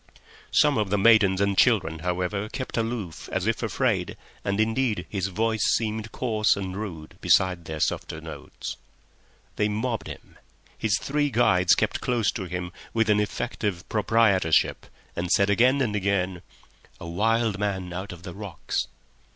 Some of the maidens and children, however, kept aloof as if afraid, and indeed his voice seemed coarse and rude beside their softer notes. They mobbed him. His three guides kept close to him with an effect of proprietorship, and said again and again, "A wild man out of the rocks."